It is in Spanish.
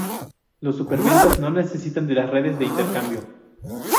los superventas no necesitan de las redes de intercambio